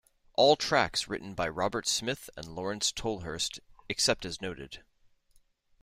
All tracks written by Robert Smith and Laurence Tolhurst except as noted.